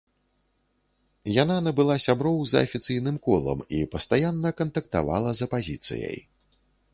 Яна набыла сяброў за афіцыйным колам і пастаянна кантактавала з апазіцыяй.